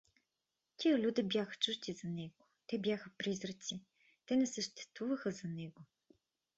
Тия люде бяха чужди за него, те бяха призраци, те не съществуваха за него.